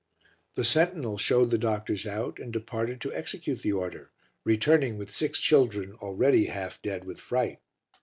The sentinel showed the doctors out and departed to execute the order, returning with six children already half dead with fright.